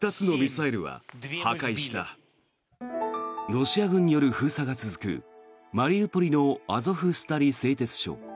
ロシア軍による封鎖が続くマリウポリのアゾフスタリ製鉄所。